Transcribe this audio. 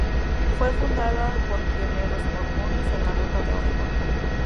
Fue fundada por pioneros mormones en la ruta de Oregón.